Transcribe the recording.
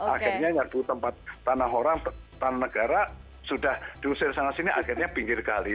akhirnya nyarbu tempat tanah orang tanah negara sudah diusir sana sini akhirnya pinggir kali